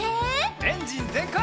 エンジンぜんかい！